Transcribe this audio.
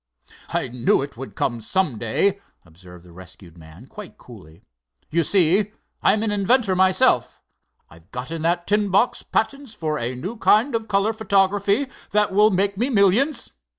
"I knew it would come some day," observed the rescued man quite coolly. "You see, I'm an inventor myself. I've got in that tin box patents for a new kind of color photography that will make me millions.